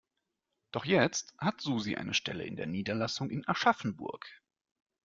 Doch jetzt hat Susi eine Stelle in der Niederlassung in Aschaffenburg.